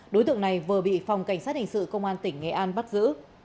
đối tượng này vừa bị phòng cảnh sát hình sự công an tỉnh nghệ an bắt giữ